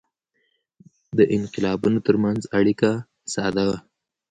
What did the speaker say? د انقلابونو ترمنځ اړیکه ساده وه.